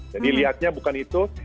jadi lihatnya bukan itu